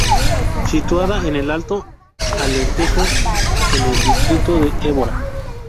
Situada en el Alto Alentejo, en el Distrito de Évora.